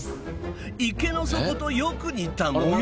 池の底とよく似た模様。